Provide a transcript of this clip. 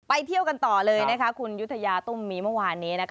เที่ยวกันต่อเลยคุณยุธยาตุ้มมีเมื่อวานนี้